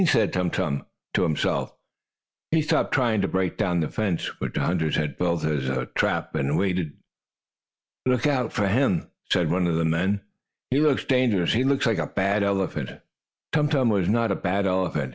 said Tum Tum to himself. He stopped trying to break down the fence, which the hunters had built as a trap, and waited. "Look out for him," said one of the men. "He looks dangerous. He looks like a bad elephant." Tum Tum was not a bad elephant.